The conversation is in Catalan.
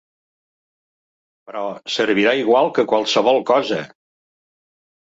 Però servirà igual que qualsevol cosa!